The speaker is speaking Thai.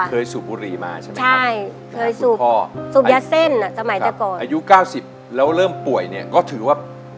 เคยสูบบุรีมาใช่ไหมครับ